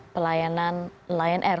pelayanan lion air